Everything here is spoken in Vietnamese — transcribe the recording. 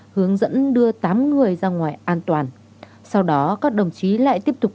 hướng dẫn đưa tám người ra ngoài an toàn sau đó các đồng chí lại tiếp tục